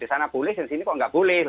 di sana boleh di sini kok nggak boleh